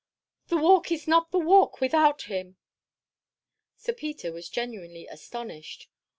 "The Walk is not the Walk without him." Sir Peter was genuinely astonished.